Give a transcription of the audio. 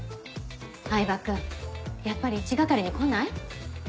饗庭君やっぱり一係に来ない？